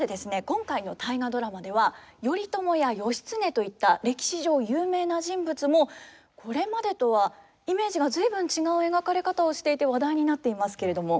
今回の「大河ドラマ」では頼朝や義経といった歴史上有名な人物もこれまでとはイメージが随分違う描かれ方をしていて話題になっていますけれども。